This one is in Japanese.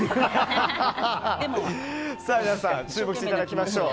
皆さん注目していただきましょう。